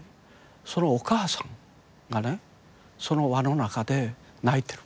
そのお母さんがねその輪の中で泣いてる。